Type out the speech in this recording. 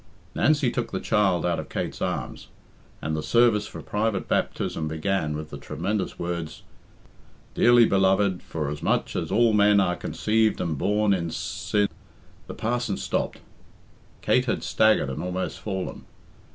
Nancy took the child out of Kate's arms, and the service for private baptism began with the tremendous words, "Dearly beloved, forasmuch as all men are conceived and born in si " The parson stopped. Kate had staggered and almost fallen.